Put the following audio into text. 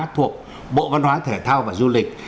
thuộc bộ văn hóa thể thao và du lịch